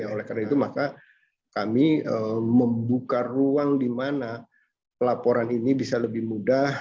oleh karena itu maka kami membuka ruang di mana laporan ini bisa lebih mudah